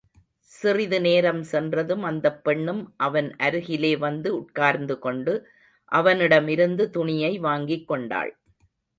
சிறிது நேரம் சென்றதும் அந்தப் பெண்ணும் அவன் அருகிலே வந்து உட்கார்ந்துக் கொண்டு, அவனிடமிருந்து துணியை வாங்கிக் கொண்டாள்.